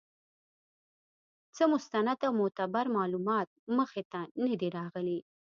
څۀ مستند او معتبر معلومات مخې ته نۀ دي راغلي